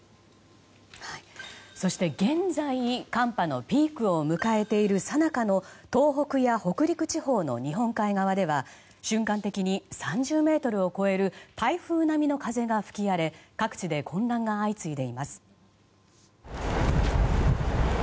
そして現在寒波のピークを迎えているさなかの東北や北陸地方の日本海側では瞬間的に３０メートルを超える台風並みの風が吹き荒れ各地で混乱が相次いでいます。